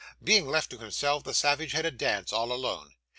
Being left to himself, the savage had a dance, all alone.